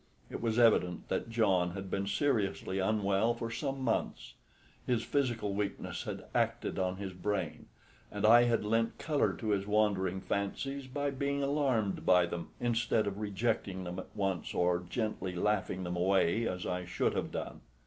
It was evident that John had been seriously unwell for some months; his physical weakness had acted on his brain; and I had lent colour to his wandering fancies by being alarmed by them, instead of rejecting them at once or gently laughing them away as I should have done.